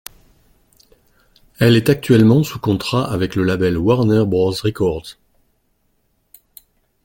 Elle est actuellement sous contrat avec le label Warner Bros Records.